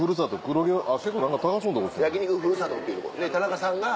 焼肉ふるさとっていうところ田中さんが。